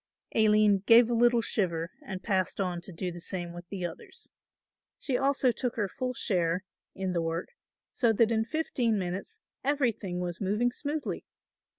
Aline gave a little shiver and passed on to do the same with the others. She also took her full share in the work, so that in fifteen minutes everything was moving smoothly.